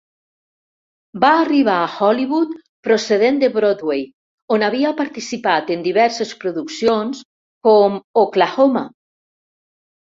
Va arribar a Hollywood procedent de Broadway, on havia participat en diverses produccions, com "Oklahoma!".